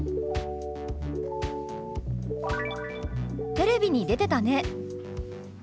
「テレビに出てたね」。